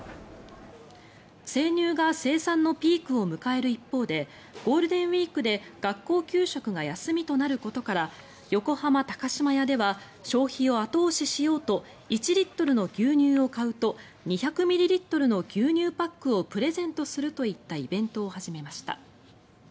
生乳が生産のピークを迎える一方でゴールデンウィークで学校給食が休みとなることから横浜高島屋では消費を後押ししようと１リットルの牛乳を買うと２００ミリリットルの牛乳パックをプレゼントするといったイベントを始めました。